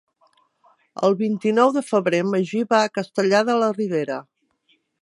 El vint-i-nou de febrer en Magí va a Castellar de la Ribera.